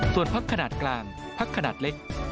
ส่วนพักขนาดกลางพักขนาดเล็ก